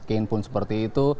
kane pun seperti itu